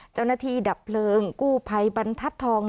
เจ้าหน้าที่ดับเพลิงกู้ไพบรรทัศน์ทอง